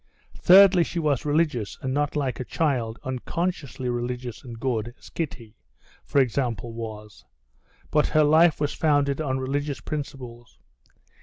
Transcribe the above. Thirdly: she was religious, and not like a child, unconsciously religious and good, as Kitty, for example, was, but her life was founded on religious principles.